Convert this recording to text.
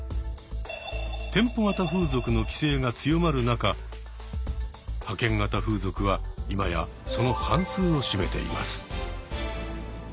店舗型風俗の規制が強まる中派遣型風俗は今やその半数を占めています。